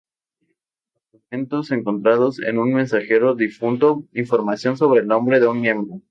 Documentos encontrados en un mensajero difunto informaron sobre el nombre de un miembro.